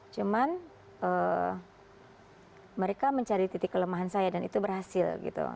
cuman mereka mencari titik kelemahan saya dan itu berhasil gitu